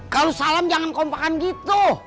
kalau salam jangan kompakan gitu